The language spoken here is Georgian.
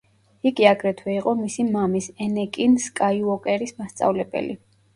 იგი აგრეთვე იყო მისი მამის, ენეკინ სკაიუოკერის მასწავლებელი.